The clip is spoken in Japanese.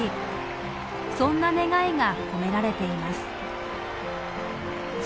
そんな願いが込められています。